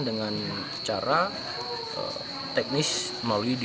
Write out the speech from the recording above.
dengan cara teknis melalui dpd